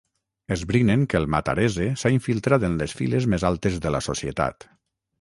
Esbrinen que el Matarese s'ha infiltrat en les files més altes de la societat.